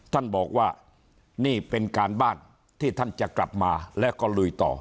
ท่านบอกว่านี่เป็นการบ้านที่ท่านจะกลับมาแล้วก็ลุยต่อ